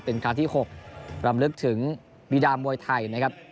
เป็นครั้งที่๖รำลึกถึงบีดามวยไทยนะครับ